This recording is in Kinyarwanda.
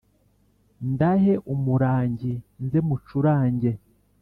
ndahe umurangi nze mucurange